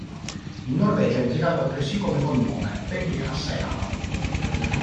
In Norvegia è impiegato altresì come cognome, benché assai raro.